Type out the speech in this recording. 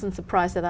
tôi đã ở đây